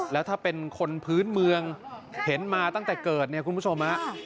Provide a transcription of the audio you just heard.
แล้วถ้าเป็นคนพื้นเมืองเห็นมาตั้งแต่เกิดเนี่ยคุณผู้ชมฮะ